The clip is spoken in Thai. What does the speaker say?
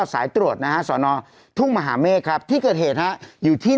สายตรวจนะฮะสอนอทุ่งมหาเมฆครับที่เกิดเหตุฮะอยู่ที่